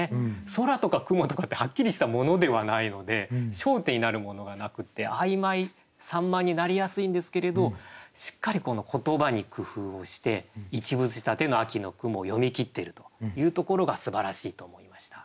空とか雲とかってはっきりしたものではないので焦点になるものがなくって曖昧散漫になりやすいんですけれどしっかりこの言葉に工夫をして一物仕立ての「秋の雲」を詠み切っているというところがすばらしいと思いました。